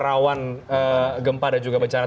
rawan gempa dan juga bencana